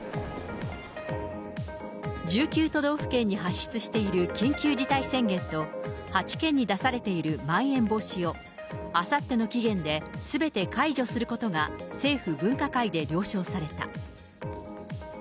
１９都道府県に発出している緊急事態宣言と、８県に出されているまん延防止を、あさっての期限ですべて解除することが、政府分科会で了承された。